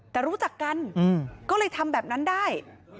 แต่รู้จักกันก็เลยทำแบบนั้นได้